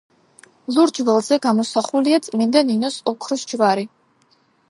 ლურჯ ველზე გამოსახულია წმინდა ნინოს ოქროს ჯვარი.